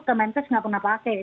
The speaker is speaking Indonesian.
kemenkes tidak pernah pakai